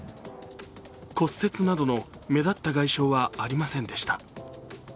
骨折などの目立った外傷はありませんでした。